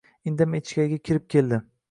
Indamay ichkariga kirib keldi.